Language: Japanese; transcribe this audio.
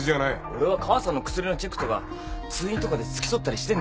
俺は母さんの薬のチェックとか通院とかで付き添ったりしてんだよ。